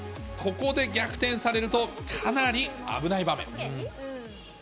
ここで逆転されると、かなり危ない場面。